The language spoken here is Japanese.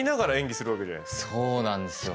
そうなんですよ。